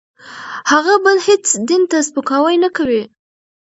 هغه بل هېڅ دین ته سپکاوی نه کوي.